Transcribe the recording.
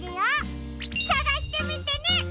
さがしてみてね！